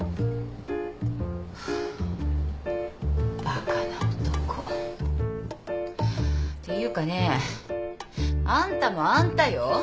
バカな男。っていうかねあんたもあんたよ。